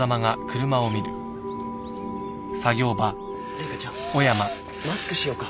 麗華ちゃんマスクしようか。